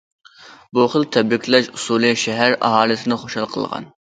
بۇ خىل تەبرىكلەش ئۇسۇلى شەھەر ئاھالىسىنى خۇشال قىلغان.